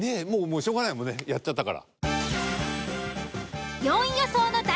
しょうがないもんねやっちゃったから。